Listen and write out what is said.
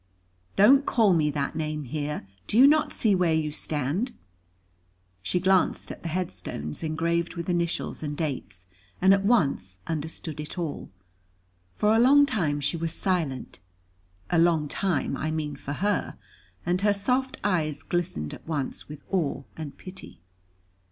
"Don't call me that name here. Do you not see where you stand?" She glanced at the headstones engraved with initials and dates, and at once understood it all. For a long time she was silent, a long time I mean for her; and her soft eyes glistened at once with awe and pity.